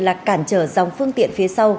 là cản trở dòng phương tiện phía sau